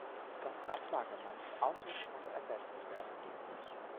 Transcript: Das Radlager meines Autos muss ersetzt werden.